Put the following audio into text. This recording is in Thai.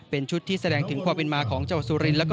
เป็นชุดที่แสดงถึงความเป็นมาของเจ้าสุรินทร์